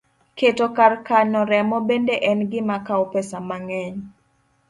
Keto kar kano remo bende en gima kawo pesa mang'eny